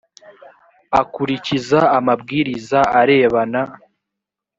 akurikiza amabwiriza arebana